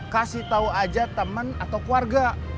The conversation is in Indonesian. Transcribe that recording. kasih tau aja temen atau keluarga